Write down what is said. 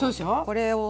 これを。